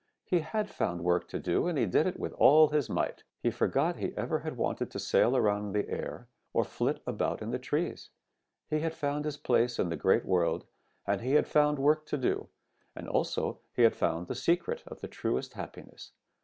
He had found work to do, and he did it with all his might. He forgot he ever had wanted to sail around in the air or flit about in the trees. He had found his place in the Great World, and he had found work to do, and also he had found the secret of the truest happiness.